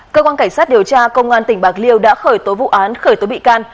cơ quan cảnh sát điều tra công an tỉnh bạc liêu đã khởi tố vụ án khởi tố bị can